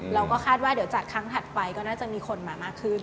เราก็คาดว่าเดี๋ยวจัดครั้งถัดไปก็น่าจะมีคนมามากขึ้น